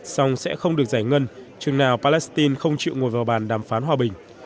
song sẽ không được giải ngân chừng nào palestine không chịu ngồi vào bàn đàm phán hòa bình